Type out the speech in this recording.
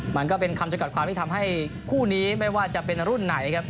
มันก็เป็นคำจำกัดความที่ทำให้คู่นี้ไม่ว่าจะเป็นรุ่นไหนครับ